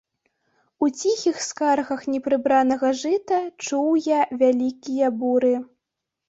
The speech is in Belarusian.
У ціхіх скаргах непрыбранага жыта чуў я вялікія буры.